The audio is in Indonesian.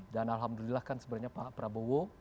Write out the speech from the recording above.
dan alhamdulillah kan sebenarnya pak prabowo